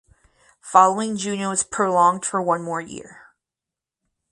Following June it was prolonged for one more year.